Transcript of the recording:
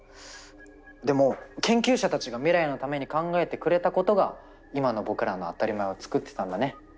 でも研究者たちが未来のために考えてくれたことが今の僕らの当たり前をつくってたんだね。